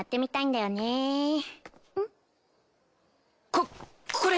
ここれ！